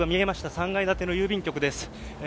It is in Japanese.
３階建ての郵便局です。